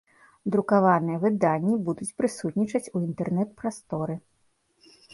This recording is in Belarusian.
Друкаваныя выданні будуць прысутнічаць у інтэрнэт-прасторы.